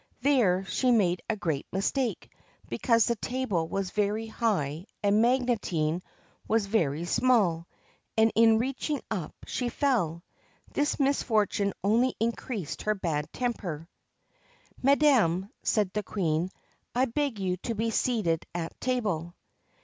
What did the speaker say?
There she made a great mistake, because the table was very high and Magotine was very small, and, in reaching up, she fell. This misfortune only increased her bad temper. ' Madam,' said the Queen, ' I beg you to be seated at table.'